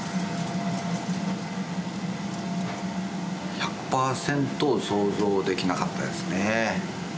１００％想像できなかったですね。